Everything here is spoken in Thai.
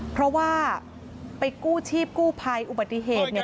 เพราะว่าไปกู้ชีพกู้ภัยอุบัติเหตุ